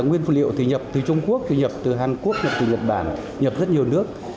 nguyên phụ liệu thì nhập từ trung quốc thì nhập từ hàn quốc nhập từ nhật bản nhập rất nhiều nước